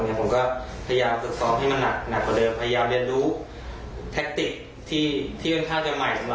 ผมก็พยายามฝึกซ้อมให้มันนักหนักกว่าเดิมพยายามเรียนรู้แท็กติกที่เป็นท่าจะใหม่สำหรับผม